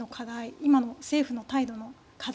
今の政府の態度の課題